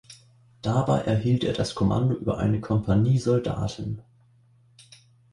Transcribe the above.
Dabei erhielt er das Kommando über eine Kompanie Soldaten.